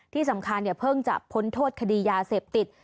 ที่สำคัญเพิ่งจะพ้นโทษคดียาเสพติด